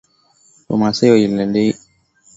wamaasai walidai kuongezewa eneo la malisho